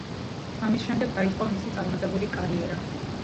ამის შემდეგ დაიწყო მისი წარმატებული კარიერა.